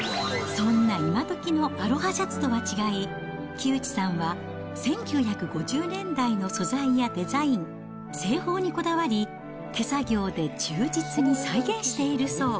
そんな今どきのアロハシャツとは違い、木内さんは１９５０年代の素材やデザイン、製法にこだわり、手作業で忠実に再現しているそう。